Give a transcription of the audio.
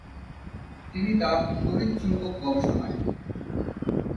তিনি তার তড়িৎ চুম্বক গবেষণায়।